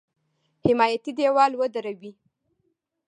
حمایتي دېوال ودروي.